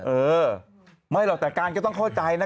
เออไม่หรอกแต่การก็ต้องเข้าใจนะ